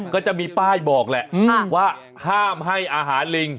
ก็จะมีป้ายบอกแหละว่าห้ามให้อาหารลิง